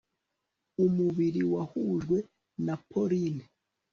umubiri wahujwe na pauline